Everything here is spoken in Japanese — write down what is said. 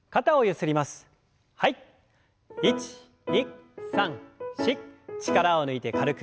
１２３４力を抜いて軽く。